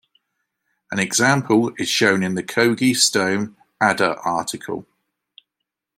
An example is shown in the Kogge-Stone adder article.